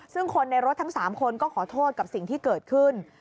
ซึ่งคนในรถทั้ง๓คนก็ขอโทษกับสิ่งที่เกิดขึ้น